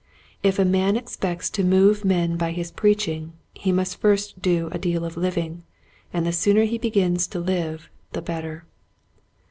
If a man expects to move men by his preaching h6 must first do a deal of living, and the sooner he begins to live the better.